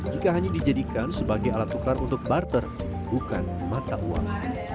jika hanya dijadikan sebagai alat tukar untuk barter bukan mata uang